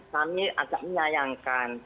kami agak menyayangkan